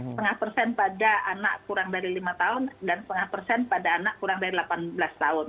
setengah persen pada anak kurang dari lima tahun dan setengah persen pada anak kurang dari delapan belas tahun